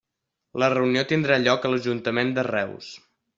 La reunió tindrà lloc a l'Ajuntament de Reus.